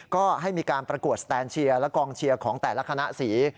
ก็ให้มีการประกวดสแตนเชียร์และกองเชียร์ของแต่ละคณะสี